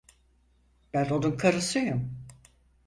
Ben onun karısıyım.